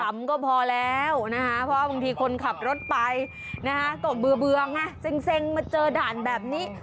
ก็พอแล้วนะคะเพราะบางทีคนขับรถไปนะฮะก็เบื่อไงเซ็งมาเจอด่านแบบนี้